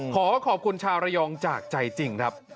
ขอขอบคุณชาวระยองจากใจจริงครับ